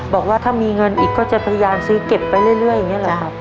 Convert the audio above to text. บอกว่าถ้ามีเงินอีกก็จะพยายามซื้อเก็บไปเรื่อยอย่างนี้หรอครับ